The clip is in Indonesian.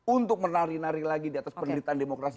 untuk menari nari lagi di atas penderitaan demokrasi